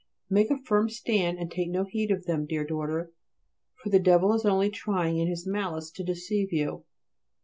Make a firm stand and take no heed of them, dear daughter, for the devil is only trying in his malice to deceive you.